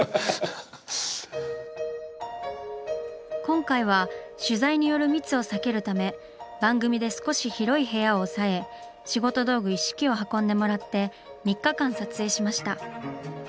今回は取材による密を避けるため番組で少し広い部屋を押さえ仕事道具一式を運んでもらって３日間撮影しました。